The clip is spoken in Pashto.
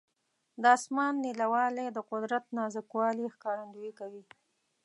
د اسمان نیلاوالی د قدرت نازک والي ښکارندویي کوي.